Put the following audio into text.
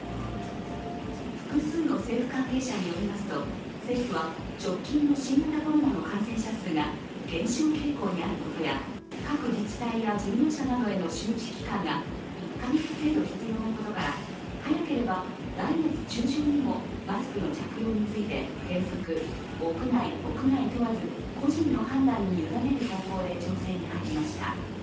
複数の政府関係者によりますと、政府は、直近の新型コロナの感染者数が減少傾向にあることや各自治体や事業者などへの周知期間が１か月程度必要なことから、早ければ来月中旬にもマスクの着用について原則屋内・屋外問わず個人の判断に委ねる方向で調整に入りました。